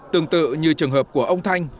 tương tự như trường hợp của ông thanh